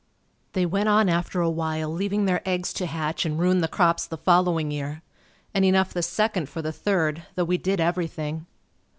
They went on after awhile leaving their eggs to hatch and ruin the crops the following year. And enough the second for the third, though we did everything.